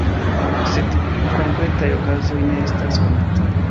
Sed konkretaj okazoj ne estas konataj.